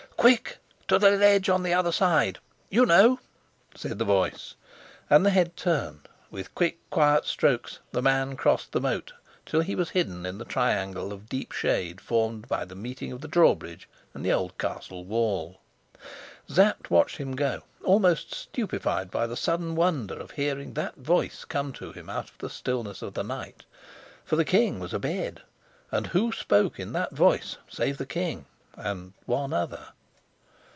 "Quick to the ledge on the other side. You know," said the voice, and the head turned; with quick, quiet strokes the man crossed the moat till he was hidden in the triangle of deep shade formed by the meeting of the drawbridge and the old castle wall. Sapt watched him go, almost stupefied by the sudden wonder of hearing that voice come to him out of the stillness of the night. For the king was abed; and who spoke in that voice save the king and one other?